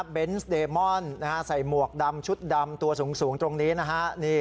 เบนส์เดมอนใส่หมวกดำชุดดำตัวสูงตรงนี้นะฮะ